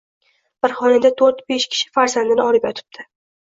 Bir xonada to`rt-besh kishi farzandini olib yotibdi